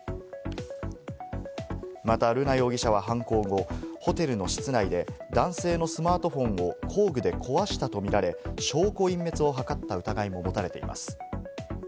また瑠奈容疑者は犯行後、ホテルの室内で男性のスマートフォンを工具で壊したと見られ、証拠隠滅を図った疑いも持たれています。